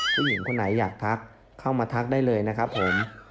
ผู้หญิงคนไหนอยากทักเข้ามาทักได้เลยนะครับผม